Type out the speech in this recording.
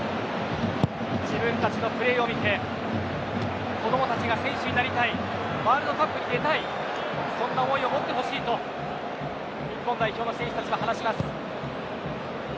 自分たちのプレーを見て子供たちが選手になりたいワールドカップに出たいそんな思いを持ってほしいと日本代表の選手たちは話します。